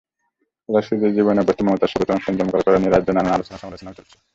সাদাসিধে জীবনযাপনে অভ্যস্ত মমতার শপথ অনুষ্ঠান জমকালো করা নিয়ে রাজ্যে নানা আলোচনা-সমালোচনাও চলছে।